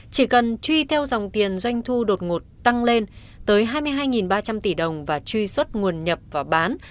chỉ cần truy theo dòng tiền doanh thu đột ngột tăng lên tới hai mươi hai ba trăm linh tỷ đồng và truy xuất nguồn nhập và bán